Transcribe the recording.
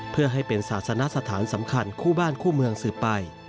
เพื่อให้เป็นศาสนสถานสำคัญคู่บ้านคู่เมืองสืบไป